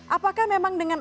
apakah memang dengan